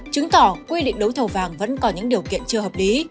chứng tỏ quy định đấu thầu vàng vẫn có những điều kiện chưa hợp lý